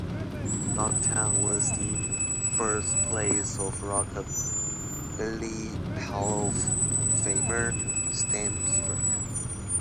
Ducktown was the birthplace of Rockabilly Hall of Famer, Stan Beaver.